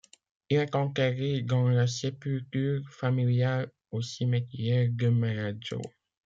Il est enterré dans la sépulture familiale au cimetière de Menaggio,